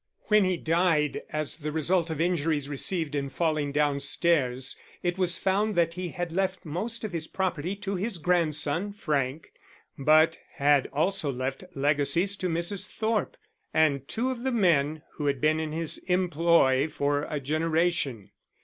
When he died as the result of injuries received in falling downstairs, it was found that he had left most of his property to his grandson, Frank, but he had also left legacies to Mrs. Thorpe and two of the men who had been in his employ for a generation.